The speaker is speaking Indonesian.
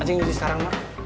acing nyuci sekarang mah